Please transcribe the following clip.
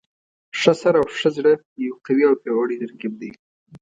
ښه سر او ښه زړه یو قوي او پیاوړی ترکیب دی.